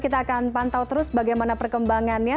kita akan pantau terus bagaimana perkembangannya